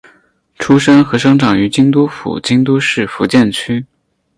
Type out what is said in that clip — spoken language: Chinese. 出身和生长于京都府京都市伏见区。